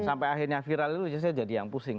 sampai akhirnya viral itu saya jadi yang pusing